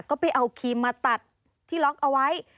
ก็ไปเอาครีมมาตัดที่ล็อกเอาไว้